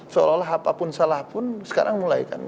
seolah olah apapun salah pun sekarang mulai kan